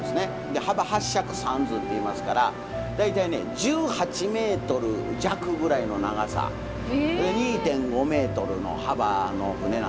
幅８尺３寸っていいますから大体ね１８メートル弱ぐらいの長さ２．５メートルの幅の船なんですね。